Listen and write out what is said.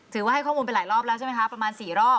ถือว่าให้ข้อมูลเป็นหลายรอบแล้วใช่ไหมคะประมาณสี่รอบ